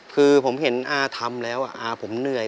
คือผมเห็นอาทำแล้วอาผมเหนื่อย